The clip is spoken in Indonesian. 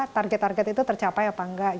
target target itu tercapai apa enggak